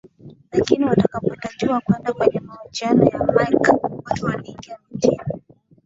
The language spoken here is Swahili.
Lakini walipotakiwa kwenda kwenye mahojiano na Mike wote waliingia mitini